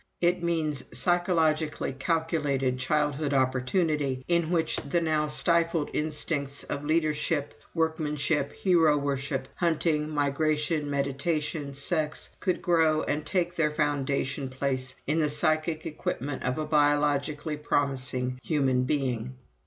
It means psychologically calculated childhood opportunity, in which the now stifled instincts of leadership, workmanship, hero worship, hunting, migration, meditation, sex, could grow and take their foundation place in the psychic equipment of a biologically promising human being.